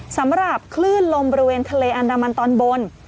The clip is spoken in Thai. สำหรับคลื่นลมบริเวณทะเลอันดามันตอนบน